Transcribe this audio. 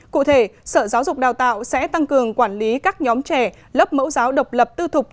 cụ thể sở giáo dục đào tạo sẽ tăng cường quản lý các nhóm trẻ lớp mẫu giáo độc lập tư thục